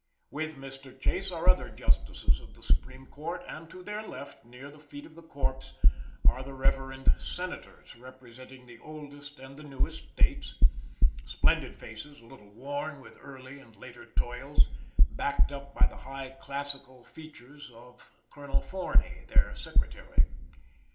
With Mr. Chase are other justices of the Supreme Court and to their left, near the feet of the corpse, are the reverend senators, representing the oldest and the newest states splendid faces, a little worn with early and later toils, backed up by the high, classical features of Colonel Forney, their secretary.